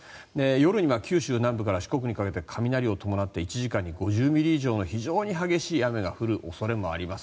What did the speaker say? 夜には九州南部から四国にかけて雷を伴って１時間に５０ミリ以上の非常に激しい雨が降る恐れがあります。